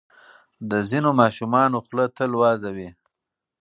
د ځینو ماشومانو خوله تل وازه وي.